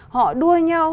họ đua nhau